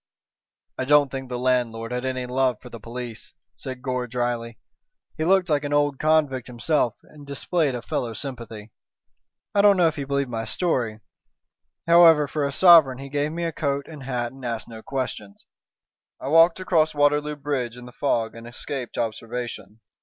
"I don't think the landlord had any love for the police," said Gore, dryly. "He looked like an old convict himself and displayed a fellow sympathy. I don't know if he believed my story. However, for a sovereign he gave me a coat and hat, and asked no questions. I walked across Waterloo Bridge in the fog and escaped observation.